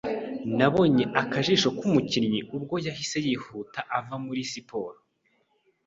Nabonye akajisho k'umukinnyi ubwo yahise yihuta ava muri siporo.